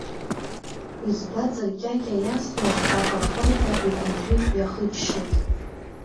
Ҳәызбаҵыркьакьа иасуаз аҟырҟырҳәа икәымжәы иахыччеит.